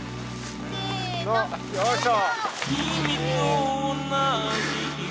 よいしょ！